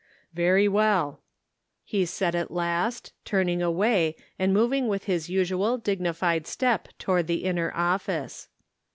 " Very well," he said at last, turning away and moving with his usual dignified step toward the inner office.